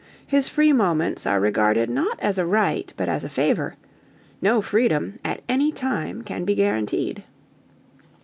His free moments are regarded not as a right but as a favour: no freedom, at any time, can be guaranteed.